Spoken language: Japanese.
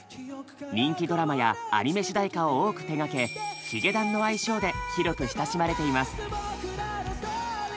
人気ドラマやアニメ主題歌を多く手がけ「ヒゲダン」の愛称で広く親しまれています。